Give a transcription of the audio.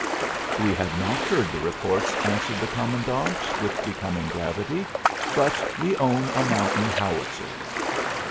"We have not heard the reports," answered the commandant, with becoming gravity. "But we own a mountain howitzer."